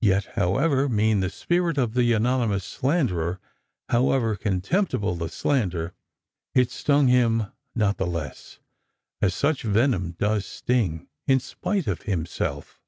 Yet, however mean the spirit of the anonymous slanderer, however contemptible the slander, it stung him not the less, as such venom does sting, in spite of himself.